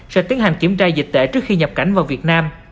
sẽ tiến hành kiểm tra dịch tễ trước khi nhập cảnh vào việt nam